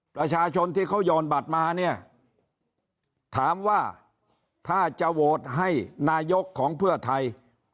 ประชาชนที่เขายอนบัตรมาเนี่ยถามว่าถ้าจะโหวตให้นายกของเพื่อไทย